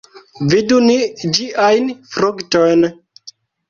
Vidu ni ĝiajn fruktojn!